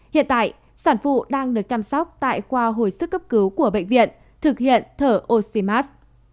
hiện tại sản phụ đang được chăm sóc tại khoa hồi sức cấp cứu của bệnh viện thực hiện thở oxymars